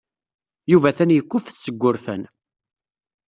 Yuba atan yekkuffet seg wurfan.